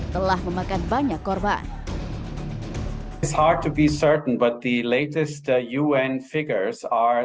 telah memakan banyak korban start to be certain but the latest the un figures are